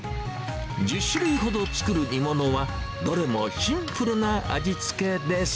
１０種類ほど作る煮物は、どれもシンプルな味付けです。